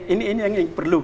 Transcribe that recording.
ini yang diperlukan